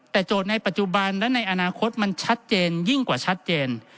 แต่โจทย์ในปัจจุบันและในอนาคตมันชัดเจนยิ่งกว่าชัดเจน